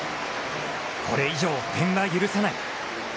これ以上、点は許さない！